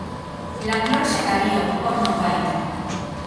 Langlois eta biok, hor nonbait.